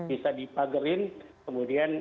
bisa dipagar kemudian